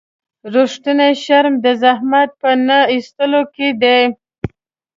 رښتینی شرم د زحمت په نه ایستلو کې دی.